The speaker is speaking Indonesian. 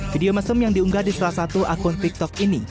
video mesum yang diunggah di salah satu akun tiktok ini